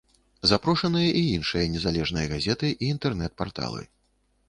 Запрошаныя і іншыя незалежныя газеты, і інтэрнэт-парталы.